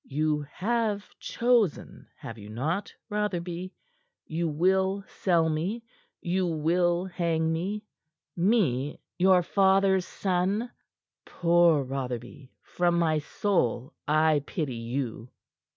You have chosen, have you not, Rotherby? You will sell me; you will hang me me, your father's son. Poor Rotherby! From my soul I pity you!"